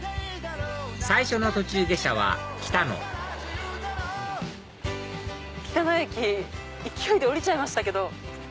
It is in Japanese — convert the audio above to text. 最初の途中下車は北野北野駅勢いで降りちゃいましたけど。